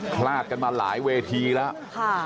พลาดกันมาหลายเวทีแล้ว